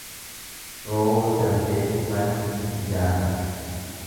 Rooba darbeef mana hin ijaaran.